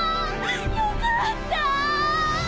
よかったぁ！